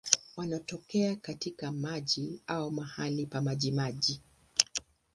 Wanatokea katika maji au mahali pa majimaji.